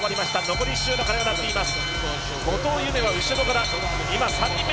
残り１周の鐘が鳴っています。